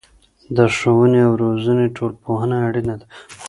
د ښوونې او روزنې ټولنپوهنه اړينه ده.